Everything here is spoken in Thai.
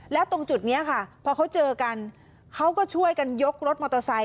แล้วตรงจุดนี้ค่ะพอเขาเจอกันเขาก็ช่วยกันยกรถมอเตอร์ไซค